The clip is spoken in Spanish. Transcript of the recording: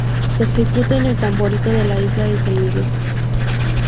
Se ejecuta en el tamborito de la isla San Miguel.